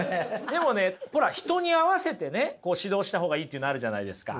でもねほら人に合わせてねこう指導した方がいいというのあるじゃないですか。